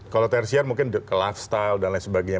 kalau tersiar mungkin ke lifestyle dan lain sebagainya